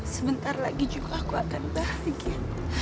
sebentar lagi juga aku akan bahagia